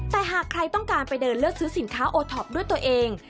แต่หากใครต้องการไปเดินเลือกซื้อสินค้าโอท็อปด้วยตัวเอง